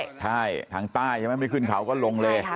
ใช่ทางใต้ใช่ไหมไม่ขึ้นเขาก็ลงเลย